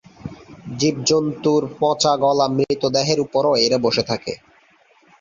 জীবজন্তুর পচা গলা মৃত দেহের উপরও এরা বসে থাকে।